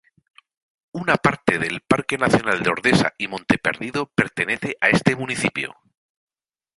Una parte del Parque Nacional de Ordesa y Monte Perdido pertenece a este municipio.